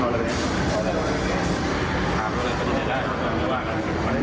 ภารกิจให้ได้มันไม่ว่าง